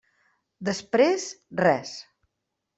Després, res.